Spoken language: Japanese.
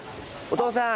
お父さん。